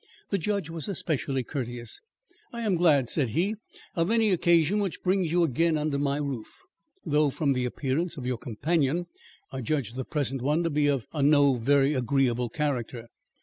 The judge was especially courteous. "I am glad," said he, "of any occasion which brings you again under my roof, though from the appearance of your companion I judge the present one to be of no very agreeable character."